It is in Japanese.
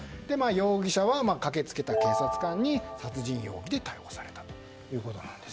容疑者は駆けつけた警察官に殺人容疑で逮捕されたということです。